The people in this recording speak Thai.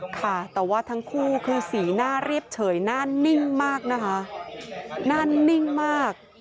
ค่ะแต่ว่าทั้งคู่คือสีหน้าเรียบเฉยหน้านิ่งมากนะคะหน้านิ่งมาก